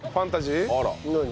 何？